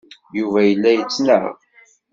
Yuba yella yettnaɣ.